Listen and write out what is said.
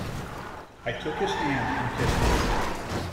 I took his hand and kissed it.